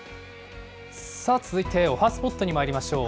さあ続いて、おはＳＰＯＴにまいりましょう。